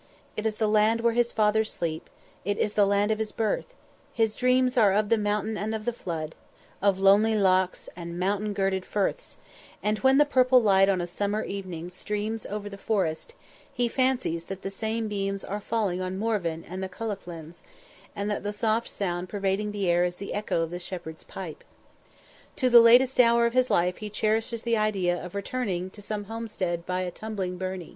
_ it is the land where his fathers sleep it is the land of his birth; his dreams are of the "mountain and the flood" of lonely lochs and mountain girded firths; and when the purple light on a summer evening streams over the forest, he fancies that the same beams are falling on Morven and the Cuchullins, and that the soft sound pervading the air is the echo of the shepherd's pipe. To the latest hour of his life he cherishes the idea of returning to some homestead by a tumbling burnie.